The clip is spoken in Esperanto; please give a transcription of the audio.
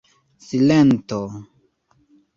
Silento.